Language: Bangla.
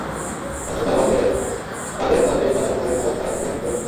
জানতে চাওয়া হয়েছে কাদের কাজে তাঁরা প্রভাবিত হন, কারা তাঁদের অনুপ্রেরণা।